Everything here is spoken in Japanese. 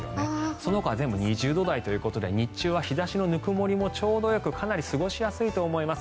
そのほかは全部２０度台ということで日中は日差しのぬくもりもちょうどよくかなり過ごしやすいと思います。